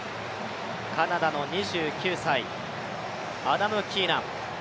カナダの２９歳、アダム・キーナン。